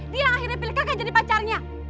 dia yang akhirnya pilih kagak jadi pacarnya